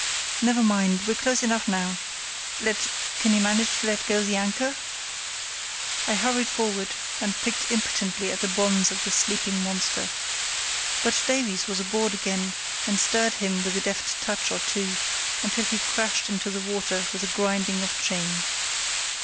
"Never mind—we're close enough now; let—— Can you manage to let go the anchor?" I hurried forward and picked impotently at the bonds of the sleeping monster. But Davies was aboard again, and stirred him with a deft touch or two, till he crashed into the water with a grinding of chain.